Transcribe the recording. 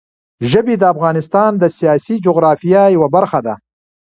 ژبې د افغانستان د سیاسي جغرافیه یوه برخه ده.